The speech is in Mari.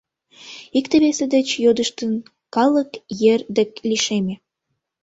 Икте-весе деч йодыштын, калык ер дек лишеме.